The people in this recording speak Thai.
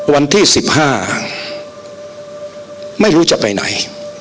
วันที่๑๕ไม่รู้จะไปไหน